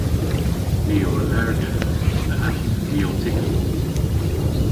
My yw allergek dhe antibiotygyon.